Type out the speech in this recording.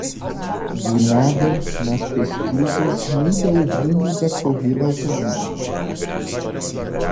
Guinada nas pesquisas muda o rumo da corrida ao Planalto